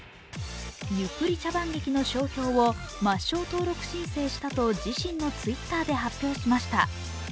ゆっくり茶番劇の商標を抹消登録申請したと自身のＴｗｉｔｔｅｒで発表しました。